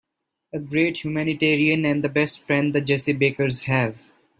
A great humanitarian and the best friend the Jessie Bakers have.